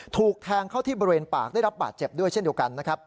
ถูกแทงเข้าที่บริเวณปากได้รับบาดเจ็บด้วยเช่นเดียวกันนะครับ